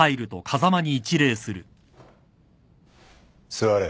座れ。